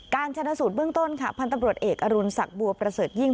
การชนะสูตรเบื้องต้นค่ะพันธบรวจเอกอรุณสักบัวประเสริฐยิ่ง